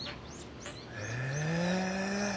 へえ。